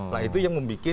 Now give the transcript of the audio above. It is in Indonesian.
nah itu yang membuat